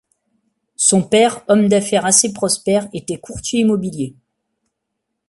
Son père, homme d'affaires assez prospère, était courtier immobilier.